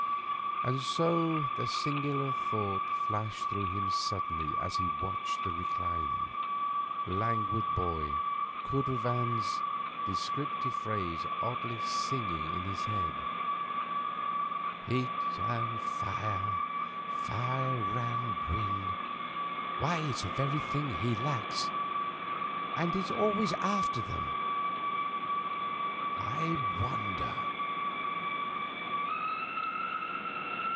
And so the singular thought flashed through him suddenly as he watched the reclining, languid boy, Cudrefin's descriptive phrase oddly singing in his head 'Heat and fire, fire and wind why, it's the very thing he lacks! And he's always after them. I wonder